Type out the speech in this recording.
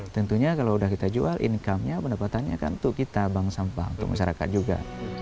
tentunya kalau sudah kita jual income nya pendapatannya kan untuk kita bank sampah untuk masyarakat juga